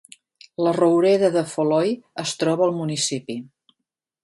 La roureda de Foloi es troba al municipi.